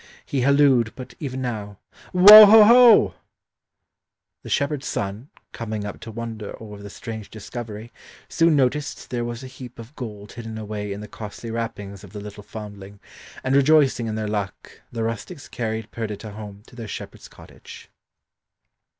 He hallooed but even now. Whoa, ho, hoa!" The shepherd's son, coming up to wonder over the strange discovery, soon noticed there was a heap of gold hidden away in the costly wrappings of the little foundling, and rejoicing in their luck, the rustics carried Perdita home to their shepherd's cottage.